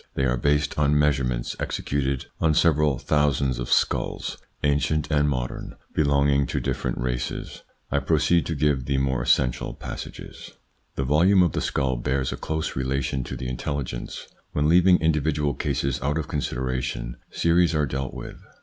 They are based on measurements executed on several thousands of skulls, ancient and modern, belonging to different 48 THE PSYCHOLOGY OF PEOPLES: races. I proceed to give the more essential pas sages : The volume of the skull bears a close relation to the intelligence, when, leaving individual cases out of consideration, series are dealt with.